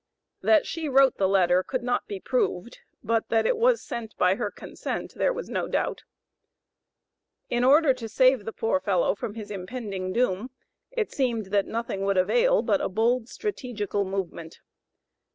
That she wrote the letter could not be proved, but that it was sent by her consent, there was no doubt. In order to save the poor fellow from his impending doom, it seemed that nothing would avail but a bold strategical movement.